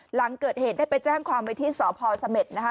หลังเกิดเหตุได้ไปแจ้งความไว้ที่สพเสม็ดนะคะ